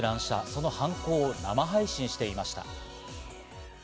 その犯行を生配信していました。